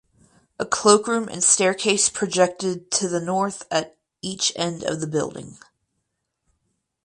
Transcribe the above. A cloakroom and staircase projected to the north at each end of the building.